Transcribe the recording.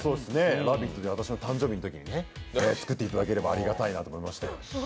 「ラヴィット！」で私の誕生日にあれを作ってもらえればありがたいなと思いましたよ。